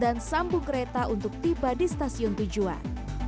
dan sambung kereta untuk tiba di stasiun tujuan